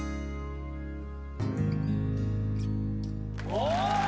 お！